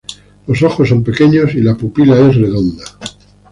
Los ojos son pequeños y la pupila es redonda.